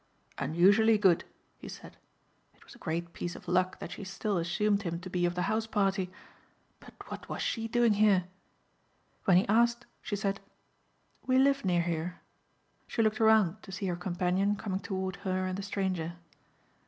"Unusually good," he said. It was a great piece of luck that she still assumed him to be of the house party. But what was she doing here? When he asked she said, "We live near here." She looked around to see her companion coming toward her and the stranger.